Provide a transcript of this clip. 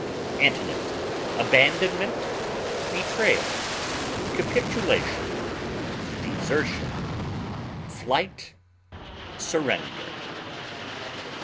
Antonyms: abandonment, betrayal, capitulation, desertion, flight, surrender.